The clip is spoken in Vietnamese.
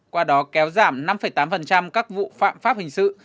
qua đó kéo giảm năm tám các vụ phạm pháp hình sự